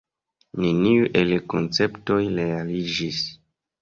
Neniu el la konceptoj realiĝis.